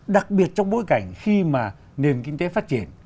đặc biệt trong bối cảnh khi mà nền kinh tế phát triển